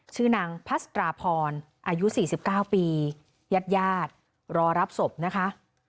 ชื่อนางพัสตราพรอายุ๔๙ปีญาติญาติรอรับศพนะคะ